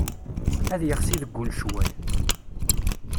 Ad yexsi deg ul ccwal.